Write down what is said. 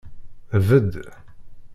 Bed!